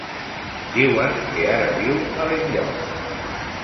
Diuen que ara viu a Benlloc.